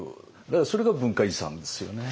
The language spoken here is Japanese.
だからそれが文化遺産ですよね。